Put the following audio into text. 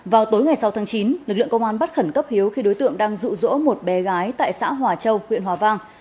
vào tối ngày sáu tháng chín lực lượng công an bắt khẩn cấp hiếu khi đối tượng đang rụ rỗ một bé gái tại xã hòa châu huyện hòa vang